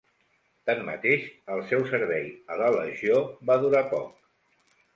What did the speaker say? Tanmateix, el seu servei a la Legió va durar poc.